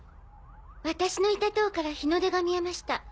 私のいた塔から日の出が見えました。